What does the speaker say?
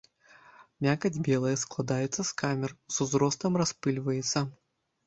Мякаць белая, складаецца з камер, з узростам распыльваецца.